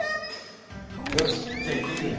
よしじゃいってみるね。